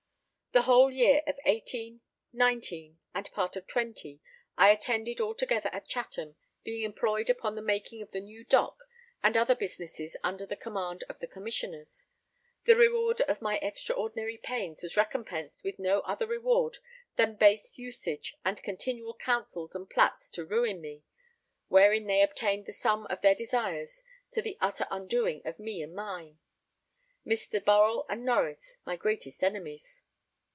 The whole year of '18, '19 and part of '20, I attended altogether at Chatham, being employed upon the making of the new dock and other businesses under the command of the Commissioners; the reward of my extraordinary pains was recompensed with no other reward than base usage and continual counsels and plats to ruin me, wherein they obtained the sum of their desires to the utter undoing of me and mine; Mr. Burrell and Norreys my greatest enemies.